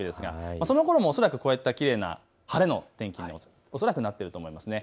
そのころもこういったきれいな晴れの天気になっていると思います。